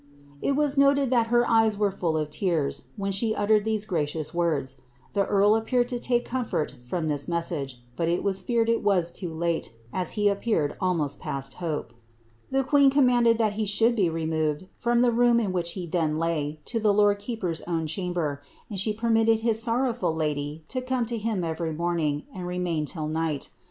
'' It her eye3 were full of MR. when she uttered these g The earl appeaml lo take comfort from the messagt red 11 came too late, as he sp jicared almost past hope. The queen commanded that he should be removed, from the room in which he then lay, lo the lord keeper's own chamber, and she permiiwd his sorrowful lady lo come lo him everv morning, and remain till niehi.